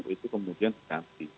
itu kemudian diganti